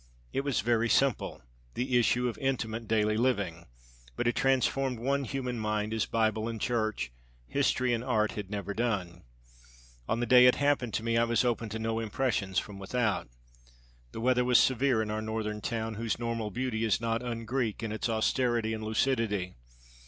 It was very simple, the issue of intimate daily living, but it transformed one human mind as Bible and church, history and art had never done. On the day it happened to me I was open to no impressions from without. The weather was severe in our northern town whose normal beauty is not un Greek in its austerity and lucidity.